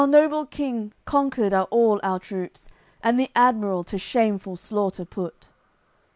Noble king, conquered are all our troops, And the admiral to shameful slaughter put!"